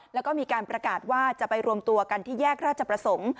แล้วก็มีการประกาศว่าจะไปรวมตัวกันที่แยกราชประสงค์